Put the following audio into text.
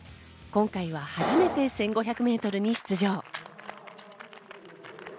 今回は初めて１５００メートルに出場。